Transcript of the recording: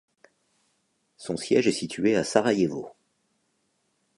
Son siège est situé à Sarajevo.